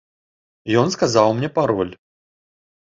Ён сказаў мне пароль.